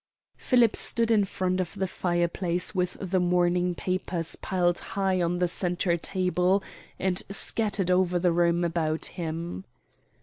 Philip stood in front of the fireplace with the morning papers piled high on the centre table and scattered over the room about him.